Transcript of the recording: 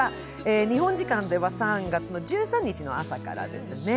日本時間では３月１３日の朝からですね。